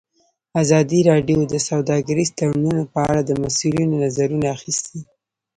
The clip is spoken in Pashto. ازادي راډیو د سوداګریز تړونونه په اړه د مسؤلینو نظرونه اخیستي.